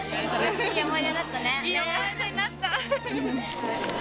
いい思い出になったね。